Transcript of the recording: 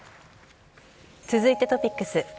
続いてトピックス。